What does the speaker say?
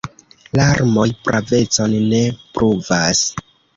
Larmoj pravecon ne pruvas.